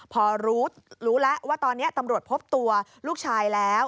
พอรู้แล้วว่าตอนนี้ตำรวจพบตัวลูกชายแล้ว